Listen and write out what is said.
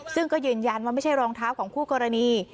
ซึ่งก็ยืนยันว่าไม่ใช่รองเท้าของคู่กรณี